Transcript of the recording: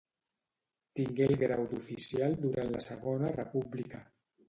Tingué el grau d'oficial durant la Segona República.